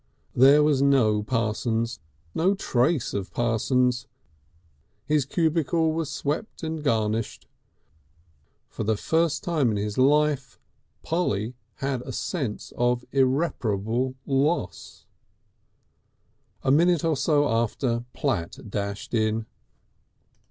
There was no Parsons, no trace of Parsons. His cubicle was swept and garnished. For the first time in his life Polly had a sense of irreparable loss. A minute or so after Platt dashed in.